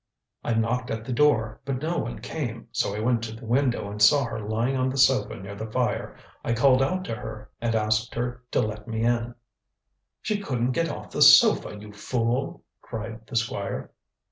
I knocked at the door, but no one came, so I went to the window and saw her lying on the sofa near the fire. I called out to her, and asked her to let me in." "She couldn't get off the sofa, you fool!" cried the Squire.